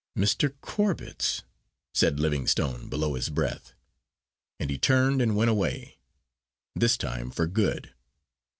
"Mr. Corbet's!" said Livingstone, below his breath, and he turned and went away; this time for good.